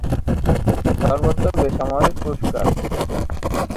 সর্বোচ্চ বেসামরিক পুরস্কার।